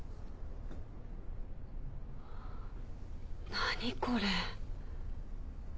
何これ。